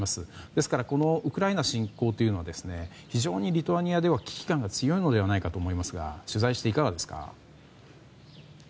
ですからウクライナ侵攻は非常にリトアニアでは危機感が強いのではないかと思いますが取材していかがですか？